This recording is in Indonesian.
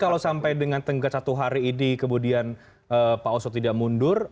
jadi kalau sampai dengan tenggak satu hari ini kemudian pak oso tidak mundur